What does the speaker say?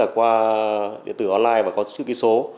qua điện tử online và có chữ ký số